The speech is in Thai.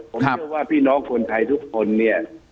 ผมเชื่อว่าพี่น้องคนไทยทุกคนเนี่ย